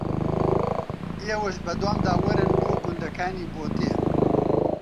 ئێوەش بە دوومدا وەرن بۆ گوندەکانی بۆتێ